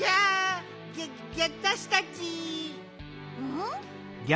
うん？